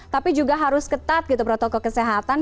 tapi juga harus ketat gitu protokol kesehatan